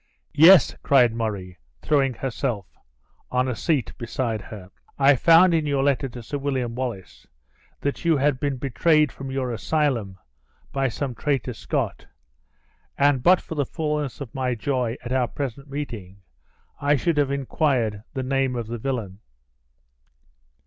"Yes," cried Murray, throwing herself on a seat beside her, "I found in your letter to Sir William Wallace, that you had been betrayed from your asylum by some traitor Scot; and but for the fullness of my joy at our present meeting, I should have inquired the name of the villian!"